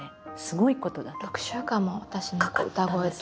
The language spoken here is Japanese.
６週間も私の歌声と。